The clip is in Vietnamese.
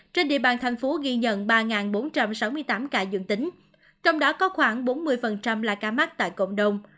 trên địa bàn thành phố ghi nhận ba bốn trăm sáu mươi tám ca dương tính trong đó có khoảng bốn mươi là ca mắc tại cộng đồng